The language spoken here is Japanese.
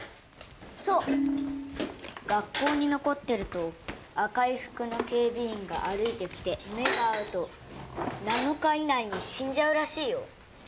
そう学校に残ってると赤い服の警備員が歩いてきて目が合うと７日以内に死んじゃうらしいよ